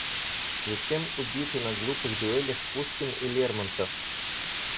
Зачем убиты на глупых дуэлях Пушкин и Лермонтов?